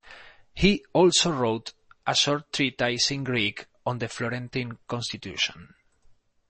He also wrote a short treatise in Greek on the Florentine constitution.